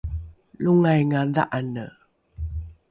longainga dha’ane